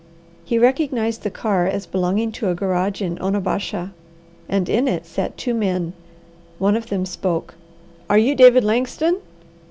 He recognized the car as belonging to a garage in Onabasha, and in it sat two men, one of whom spoke. "Are you David Langston?"